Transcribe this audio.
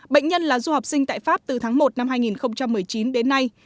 bệnh nhân là du học sinh tại pháp từ tháng một năm hai nghìn một mươi chín đến nay